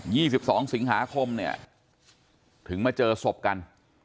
นะครับ๒๒สิงหาคมเนี่ยถึงมาเจอศพกัน